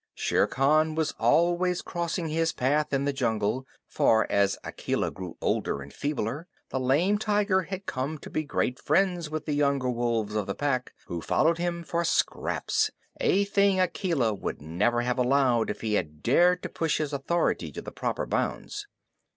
Shere Khan was always crossing his path in the jungle, for as Akela grew older and feebler the lame tiger had come to be great friends with the younger wolves of the Pack, who followed him for scraps, a thing Akela would never have allowed if he had dared to push his authority to the proper bounds.